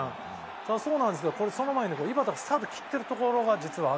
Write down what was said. それはそうなんですけどこれその前に井端がスタート切ってるところが実はあって。